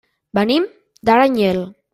Venim d'Aranyel.